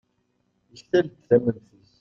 yektal-d tamemt-is